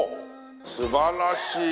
素晴らしい。